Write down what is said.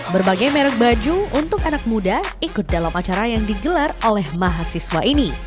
berbagai merek baju untuk anak muda ikut dalam acara yang digelar oleh mahasiswa ini